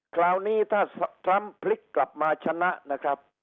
คราวนี้ถ้าทรัมป์พลิกกลับมาชนะนะครับ